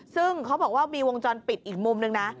ซึ่งเขาบอกว่ามีวงจรปิดอีกมุมนึงนะ